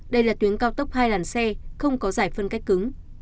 đây là tuyến cao tốc hai làn xe không có giải phân cách cứng